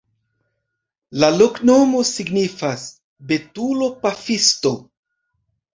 La loknomo signifas: betulo-pafisto.